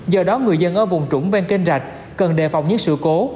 do đó người dân ở vùng trũng ven kênh rạch cần đề phòng những sự cố